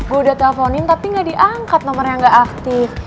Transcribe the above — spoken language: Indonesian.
gue udah teleponin tapi gak diangkat nomernya gak aktif